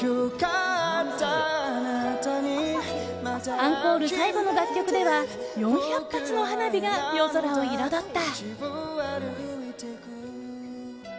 アンコール最後の楽曲では４００発の花火が夜空を彩った。